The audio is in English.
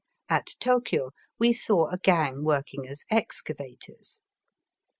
At Tokio we saw a gang working as excavators.